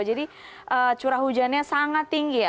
jadi curah hujannya sangat tinggi ya